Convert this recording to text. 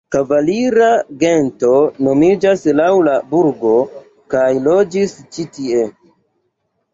Kavalira gento nomiĝas laŭ la burgo kaj loĝis ĉi-tie.